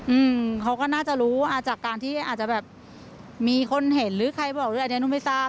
อืมเขาก็น่าจะรู้อ่าจากการที่อาจจะแบบมีคนเห็นหรือใครบอกด้วยอันนี้หนูไม่ทราบ